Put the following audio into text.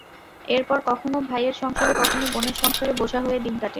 এরপর কখনো ভাইয়ের সংসারে, কখনো বোনের সংসারে বোঝা হয়ে দিন কাটে।